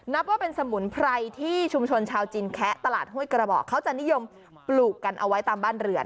นับว่าเป็นสมุนไพรที่ชุมชนชาวจีนแคะตลาดห้วยกระบอกเขาจะนิยมปลูกกันเอาไว้ตามบ้านเรือน